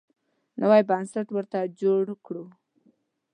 نوی بنسټ ورته جوړ کړو.